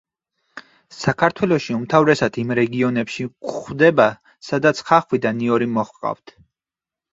საქართველოში უმთავრესად იმ რეგიონებში გვხვდება, სადაც ხახვი და ნიორი მოჰყავთ.